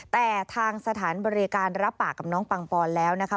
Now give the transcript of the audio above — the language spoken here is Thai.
แต่ทางสถานบริการรับปากกับน้องปังปอนแล้วนะคะ